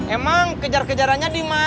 emang kejar kejarannya di mana